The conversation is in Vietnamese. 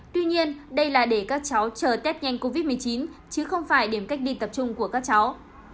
tuy nhiên đây là để các cháu chờ tết nhanh covid một mươi chín chứ không phải điểm cách ly tập trung của các cháu